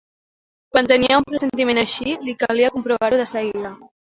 Quan tenia un pressentiment així, li calia comprovar-ho de seguida.